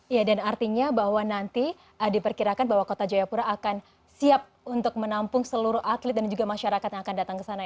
ya dan artinya bahwa nanti diperkirakan bahwa kota jayapura akan siap untuk menampung seluruh atlet dan juga masyarakat yang akan datang ke sana